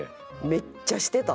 めっちゃしてた。